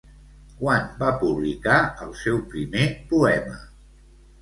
Quan va publicar el seu primer poema?